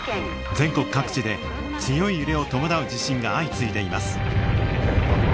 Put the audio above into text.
全国各地で強い揺れを伴う地震が相次いでいます。